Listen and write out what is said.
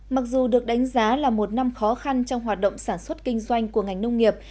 mặc dù được đánh giá là một năm khó khăn trong hoạt động sản xuất kinh doanh của ngành nông nghiệp